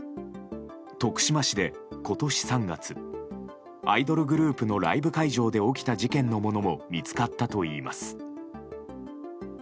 徳島市で今年３月アイドルグループのライブ会場で起きた事件のものも見つかったといいます。